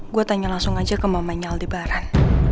gue tanya langsung aja ke mamanya aldebaran